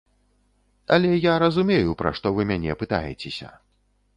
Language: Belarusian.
Але я разумею, пра што вы мяне пытаецеся.